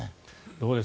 どうです？